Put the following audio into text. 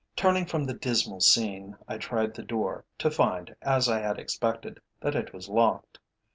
Turning from the dismal scene, I tried the door, to find, as I had expected, that it was locked.